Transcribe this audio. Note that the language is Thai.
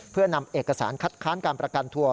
เพื่อนำเอกสารคัดค้านการประกันตัว